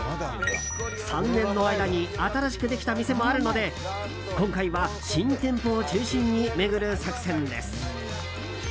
３年の間に新しくできた店もあるので今回は新店舗を中心に巡る作戦です。